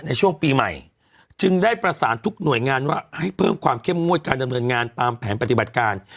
ในช่วงปีใหม่จึงได้ประสานทุกหน่วยงานว่าให้เพิ่มความเข้มงวดการดำเนินงานตามแผนปฏิบัติการ